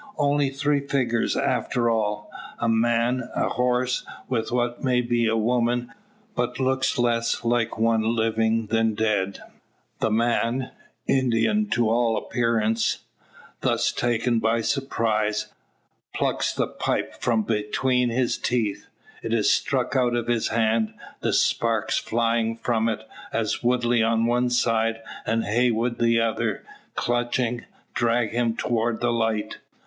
Only three figures after all! A man, a horse, with what may be woman, but looks less like one living than dead! The man, Indian to all appearance, thus taken by surprise, plucks the pipe from between his teeth. It is struck out of his hand, the sparks flying from it, as Woodley on one side and Heywood the other, clutching, drag him toward the light.